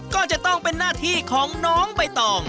ก็จะต้องเป็นหน้าที่ของน้องใบตอง